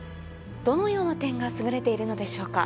どのような点が優れているのでしょうか？